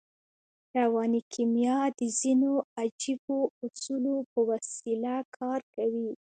رواني کیمیا د ځينو عجیبو اصولو په وسیله کار کوي